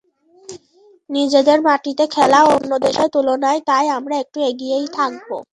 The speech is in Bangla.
নিজেদের মাটিতে খেলা, অন্য দেশের তুলনায় তাই আমরা একটু এগিয়েই থাকব।